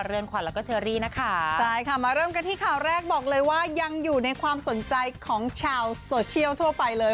เรือนขวัญแล้วก็เชอรี่นะคะใช่ค่ะมาเริ่มกันที่ข่าวแรกบอกเลยว่ายังอยู่ในความสนใจของชาวโซเชียลทั่วไปเลย